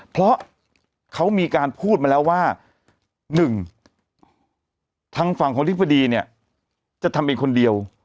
เพราะเขามีการพูดมาแล้วว่า๑ทางฝั่งของอธิบดีเนี่ยจะทำเองคนเดียว